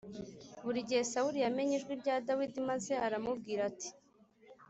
biri he Sawuli yamenye ijwi rya Dawidi maze aramubwira ati